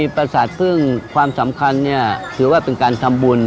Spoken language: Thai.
ก็คือประเภนีประสาทพึ่งความสำคัญถือว่าเป็นการทำบุญ